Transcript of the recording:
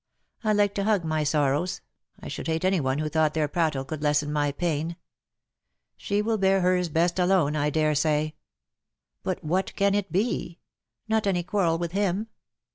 I like to hug my sorrows. I should hate any one who thought their prattle could lessen my pain. She will bear hers best alone, I dare say. But what can it be ? Not any quarrel with him.